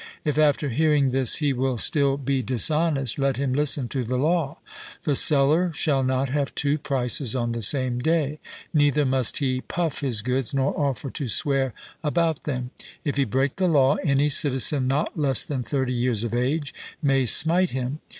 If after hearing this he will still be dishonest, let him listen to the law: The seller shall not have two prices on the same day, neither must he puff his goods, nor offer to swear about them. If he break the law, any citizen not less than thirty years of age may smite him.